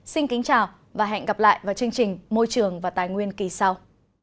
xin kính chào và hẹn gặp lại vào chương trình môi trường và tài nguyên kỳ sau